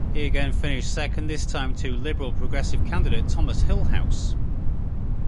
He again finished second, this time to Liberal-Progressive candidate Thomas Hillhouse.